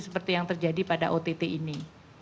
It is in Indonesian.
seperti yang terjadi pada ott ini